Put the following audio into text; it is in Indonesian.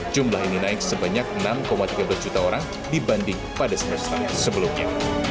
jumlah ini naik sebanyak enam tiga belas juta orang dibanding pada semester sebelumnya